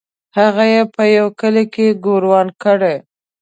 هغه یې په یوه کلي کې ګوروان کړی.